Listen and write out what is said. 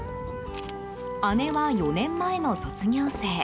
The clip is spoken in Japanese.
姉は４年前の卒業生。